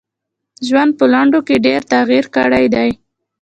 ژوند په لنډو کي ډېر تغیر کړی دی .